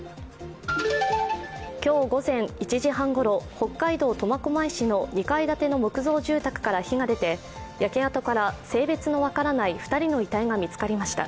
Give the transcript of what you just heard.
今日午前１時半ごろ、北海道苫小牧市の２階建ての木造住宅から火が出て、焼け跡から性別の分からない２人の遺体が見つかりました。